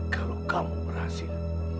kalau kamu berhasil